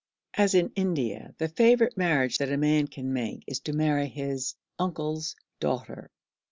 As in India, the favourite marriage that a man can make is to marry his 'uncle's daughter.'